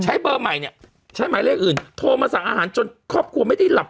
เบอร์ใหม่เนี่ยใช้หมายเลขอื่นโทรมาสั่งอาหารจนครอบครัวไม่ได้หลับ